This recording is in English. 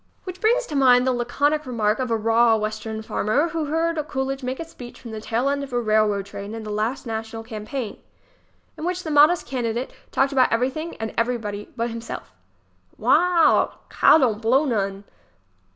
Which brings to mind the laconic remark of a raw Western farmer who heard Coolidge make a speech from the tail end of a railroad train in the last national campaign, in which the modest candidate talked about everything and everybody but himself: "Wa a al, Cal don't blow none!"